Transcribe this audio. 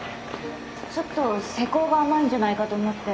ちょっと施工が甘いんじゃないかと思って。